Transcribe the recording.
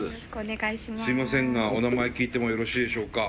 すいませんがお名前聞いてもよろしいでしょうか？